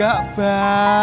aku mau ke sana